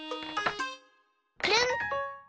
くるん。